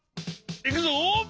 いくぞ！